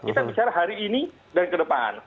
kita bicara hari ini dan ke depan